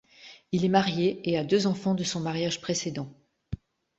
Il est marié et a deux enfants de son mariage précédent.